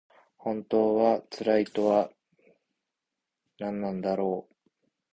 本当の幸いとはなんだろう。